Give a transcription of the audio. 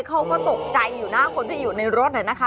เขาก็ตกใจอยู่นะคนที่อยู่ในรถน่ะนะคะ